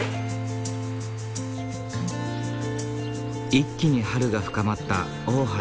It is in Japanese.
一気に春が深まった大原。